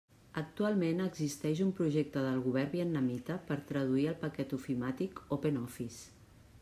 Actualment existeix un projecte del Govern vietnamita per traduir el paquet ofimàtic OpenOffice.